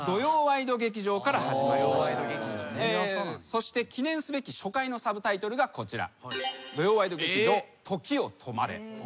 そして記念すべき初回のサブタイトルがこちら。